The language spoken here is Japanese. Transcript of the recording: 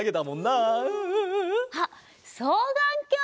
あっそうがんきょう！